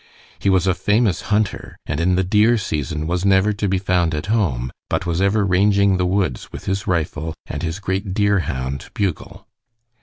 He was a famous hunter, and in the deer season was never to be found at home, but was ever ranging the woods with his rifle and his great deerhound, Bugle.